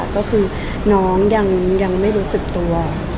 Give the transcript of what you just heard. ก็คือน้องยังไม่รู้สึกตัว